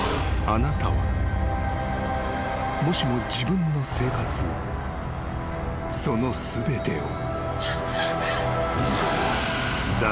［あなたはもしも自分の生活その全てを］